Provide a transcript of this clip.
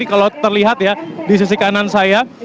kalau terlihat ya di sisi kanan saya